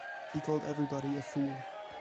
He called everybody a fool.